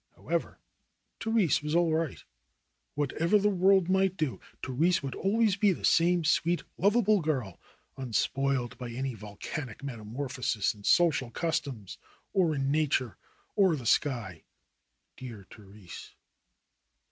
However, Therese was all right. What ever the world might do, Therese would always be the same sweet, lovable girl, unspoiled by any volcanic meta morphosis in social customs, or in nature, or the sky. Dear Therese